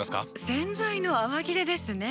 洗剤の泡切れですね。